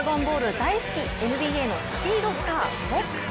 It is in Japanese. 大好きＮＢＡのスピードスター、フォックス。